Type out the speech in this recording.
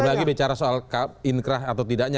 lagi bicara soal inkrah atau tidaknya